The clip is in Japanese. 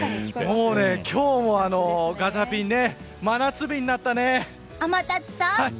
もう、今日もガチャピン真夏日になったね！